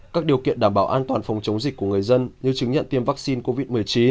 các điều kiện đảm bảo an toàn phòng chống dịch của người dân như chứng nhận tiêm vaccine covid một mươi chín